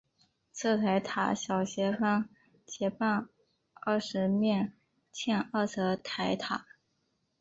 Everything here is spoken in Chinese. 侧台塔小斜方截半二十面体欠二侧台塔。